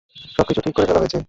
সব কিছু ঠিক করে ফেলা হয়েছে।